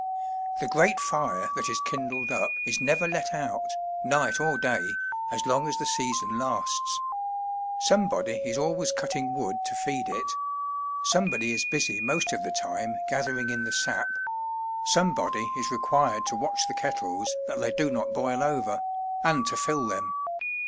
The great fire that is kindled up is never let out, night or day, as long as the season lasts. Somebody is always cutting wood to feed it; somebody is busy most of the time gathering in the sap; somebody is required to watch the kettles that they do not boil over, and to fill them.